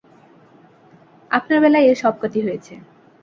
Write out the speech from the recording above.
আপনার বেলায় এর সব কটি হয়েছে।